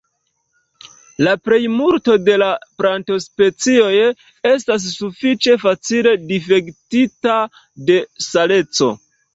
La plejmulto de la plantospecioj estas sufiĉe facile difektita de saleco.